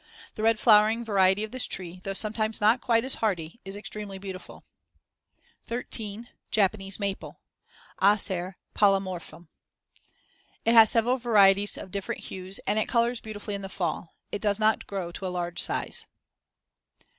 The red flowering variety of this tree, though sometimes not quite as hardy, is extremely beautiful. 13. Japanese maple (Acer polymorphum) It has several varieties of different hues and it colors beautifully in the fall; it does not grow to large size.